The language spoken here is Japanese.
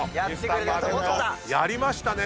やりましたね。